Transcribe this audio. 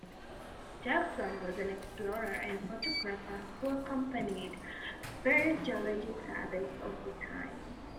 Jackson was an explorer and photographer who accompanied various geologic surveys of the time.